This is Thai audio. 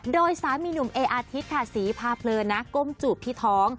โดยสามีหนุ่มเออาทิตย์ค่ะสีพาเพลินนะก้มจูบที่ท้อง